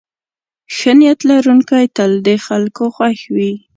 ښه نیت لرونکی تل د خلکو خوښ وي.